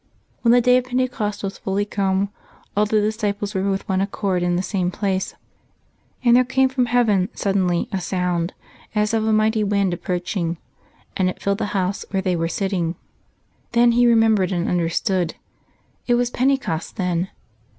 _ "_When the day of Pentecost was fully come, all the disciples were with one accord in the same place; and there came from heaven suddenly a sound, as of a mighty wind approaching, and it filled the house where they were sitting...._" Then he remembered and understood.... It was Pentecost then!